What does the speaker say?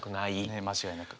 ね間違いなく。